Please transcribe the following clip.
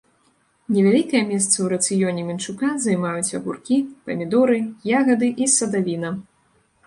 Невялікае месца ў рацыёне мінчука займаюць агуркі, памідоры, ягады і садавіна.